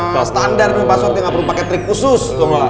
kelas standar tuh passwordnya gak perlu pake trik khusus